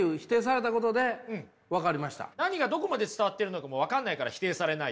何がどこまで伝わってるのかも分かんないから否定されないと。